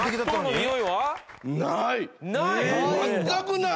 ない！？